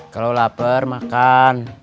kalau lapar makan